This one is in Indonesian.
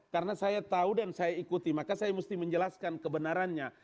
karena saya tahu dan saya ikuti maka saya mesti menjelaskan kebenarannya